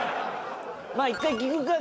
まあ１回聞くか？